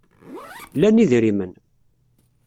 Lan idrimen.